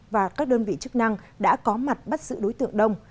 và các đơn vị chức năng đã có mặt bắt giữ đối tượng đông